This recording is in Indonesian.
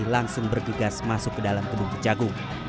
langsung bergegas masuk ke dalam gedung kejagung